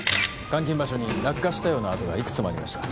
監禁場所に落下したような痕がいくつもありました